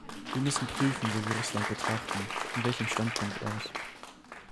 Wir müssen prüfen, wie wir Russland betrachten – von welchem Standpunkt aus.